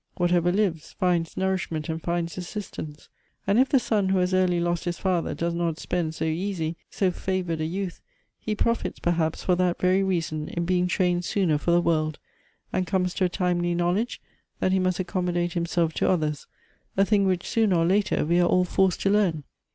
Whatever lives, finds nourishment and finds assistance ; and if the son who has early lost his father does not spend so easy, so favored a youth, he profits, perhaps, for that very reason, in being trained sooner for the world, and comes to a timely knowledge that he must accommodate himself to others, a thing which sooner or later we are all forced to learn.